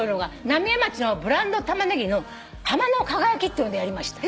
浪江町のブランドタマネギの浜の輝っていうのでやりました。